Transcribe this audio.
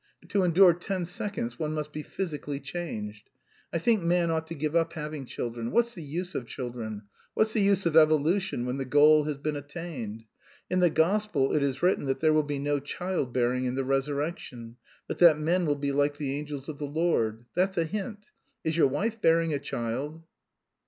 To endure ten seconds one must be physically changed. I think man ought to give up having children what's the use of children, what's the use of evolution when the goal has been attained? In the gospel it is written that there will be no child bearing in the resurrection, but that men will be like the angels of the Lord. That's a hint. Is your wife bearing a child?"